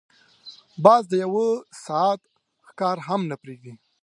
باز د یو ساعت ښکار هم نه پریږدي